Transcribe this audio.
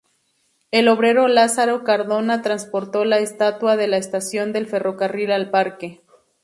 El obrero Lázaro Cardona transportó la estatua de la estación del Ferrocarril al parque.